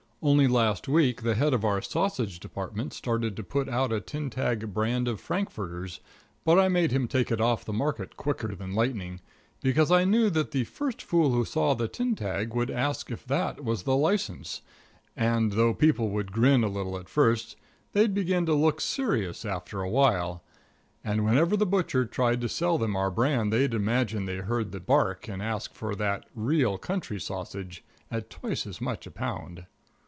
Only last week the head of our sausage department started to put out a tin tag brand of frankfurts, but I made him take it off the market quicker than lightning, because I knew that the first fool who saw the tin tag would ask if that was the license. And, though people would grin a little at first, they'd begin to look serious after a while; and whenever the butcher tried to sell them our brand they'd imagine they heard the bark, and ask for "that real country sausage" at twice as much a pound.